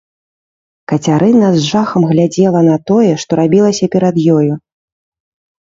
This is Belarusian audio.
Кацярына з жахам глядзела на тое, што рабілася перад ёю.